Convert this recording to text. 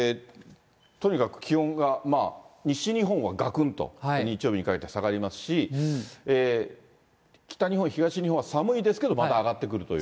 とにかく気温がまあ西日本はがくんと、日曜日にかけて下がりますし、北日本、東日本は寒いですけど、また上がってくるという。